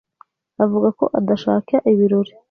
avuga ko adashaka ibirori.